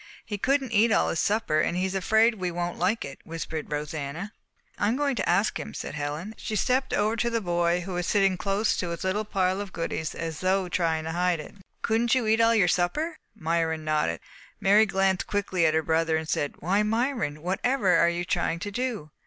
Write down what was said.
"He couldn't eat all his supper, and he is afraid we won't like it," whispered Rosanna. "I am going to ask him," said Helen. She stepped over to the boy, who was sitting close to his little pile of goodies as though trying to hide it. "Couldn't you eat all your supper?" Myron nodded. Mary glanced quickly at her brother, and said, "Why, Myron, whatever are you trying to do?"